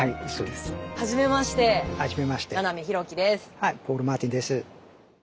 はいポール・マーティンです。